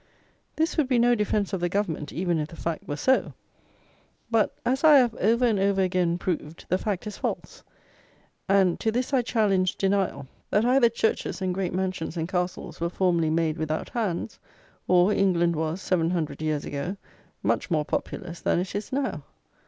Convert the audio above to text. This would be no defence of the Government, even if the fact were so; but, as I have, over and over again, proved, the fact is false; and, to this I challenge denial, that either churches and great mansions and castles were formerly made without hands; or, England was, seven hundred years ago, much more populous than it is now.